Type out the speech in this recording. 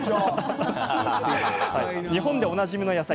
日本で、おなじみの野菜